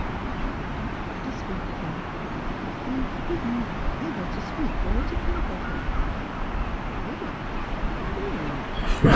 But don't let us speak of him. I have been for bidden ever to speak or to think of him." "Forbidden? By whom?"